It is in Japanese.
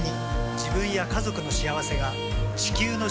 自分や家族の幸せが地球の幸せにつながっている。